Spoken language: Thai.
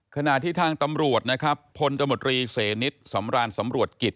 ขณะที่ทางตำรวจพ้นจมูทรีเสนิสสำรารสำรวจกิต